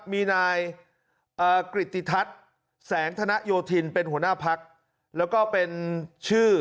มีนายกริติทัศน์แสงธนโยธินเป็นหัวหน้าพักแล้วก็เป็นชื่อ